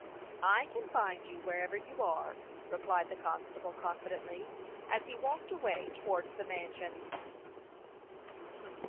"I can find you, wherever you are," replied the constable, confidently, as he walked away towards the mansion.